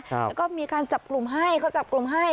แล้วก็มีการจับกลุ่มให้เขาจับกลุ่มให้